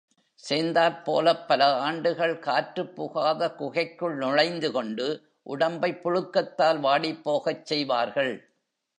சேர்ந்தாற்போலப் பல ஆண்டுகள் காற்றுப் புகாத குகைக்குள் நுழைந்து கொண்டு உடம்பை புழுக்கத்தால் வாடிப் போகச் செய்வார்கள்.